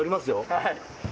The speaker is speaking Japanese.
はい。